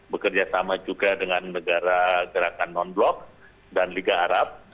bekerja sama juga dengan negara gerakan non blok dan liga arab